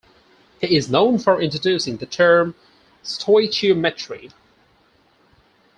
He is known for introducing the term "stoichiometry".